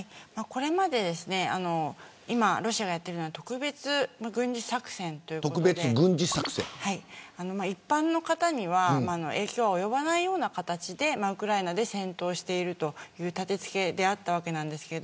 これまで今ロシアがやっているのは特別軍事作戦ということで一般の方には影響が及ばないような形でウクライナで戦闘しているという立て付けであったわけなんです。